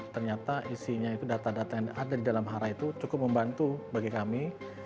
ternyata isinya itu data data yang ada di dalam hara itu cukup membantu bagi kami